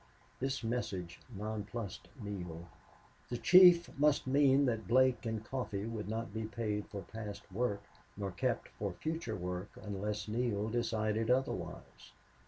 This message nonplussed Neale. The chief must mean that Blake and Coffee would not be paid for past work nor kept for future work unless Neale decided otherwise.